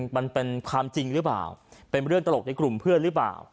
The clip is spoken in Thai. มันเป็นความจริงหรือเปล่าเป็นเรื่องตลกในกลุ่มเพื่อนหรือเปล่า